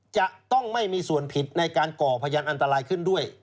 จะต้องไม่มีส่วนผิดในการก่อพยานอันตรายขึ้นด้วย